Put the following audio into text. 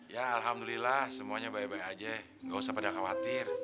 ya alhamdulillah semuanya baik baik aja nggak usah pada khawatir